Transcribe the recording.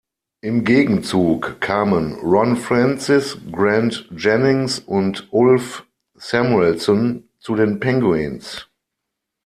Im Gegenzug kamen Ron Francis, Grant Jennings und Ulf Samuelsson zu den Penguins.